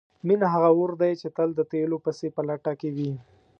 مینه هغه اور دی چې تل د تیلو پسې په لټه کې وي.